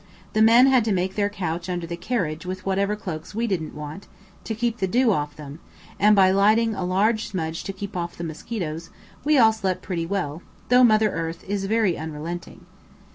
The men had to make their couch under the carriage with whatever cloaks we didn't want, to keep the dew off them; and by lighting a large "smudge" to keep off the mosquitoes, we all slept pretty well, though Mother Earth is very unrelenting.